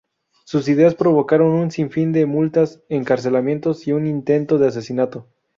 Sus ideas provocaron un sinfín de multas, encarcelamientos y un intento de asesinato.